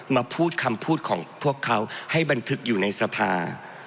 มาพูดคำพูดของพวกเขาให้บันทึกอยู่ในสภา